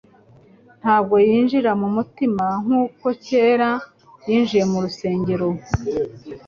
Ntabwo yinjira mu mutima nk'uko kera yinjiye mu iusengero,